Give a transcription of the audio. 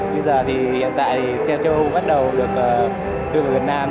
bây giờ thì hiện tại xe châu âu bắt đầu được đưa về việt nam